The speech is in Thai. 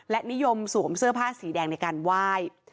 และนิยมสวมเสื้อผ้าสีแดงในการไหว้